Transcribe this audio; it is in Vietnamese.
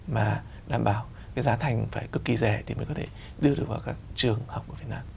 mà đảm bảo cái giá thành phải cực kỳ rẻ thì mới có thể đưa được vào các trường học của việt nam